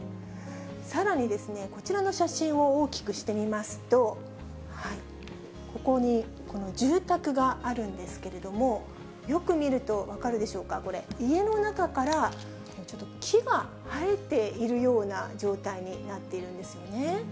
さらに、こちらの写真を大きくしてみますと、ここに住宅があるんですけれども、よく見ると、分かるでしょうか、これ、家の中から、ちょっと、木が生えているような状態になっているんですよね。